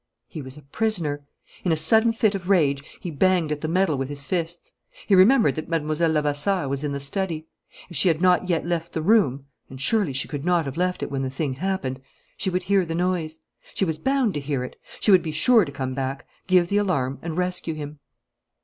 He was a prisoner. In a sudden fit of rage he banged at the metal with his fists. He remembered that Mlle. Levasseur was in the study. If she had not yet left the room and surely she could not have left it when the thing happened she would hear the noise. She was bound to hear it. She would be sure to come back, give the alarm, and rescue him.